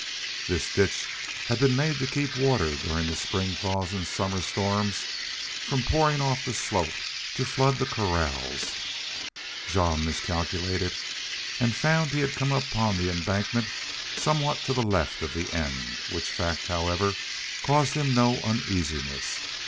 This ditch had been made to keep water, during spring thaws and summer storms, from pouring off the slope to flood the corrals. Jean miscalculated and found he had come upon the embankment somewhat to the left of the end, which fact, however, caused him no uneasiness.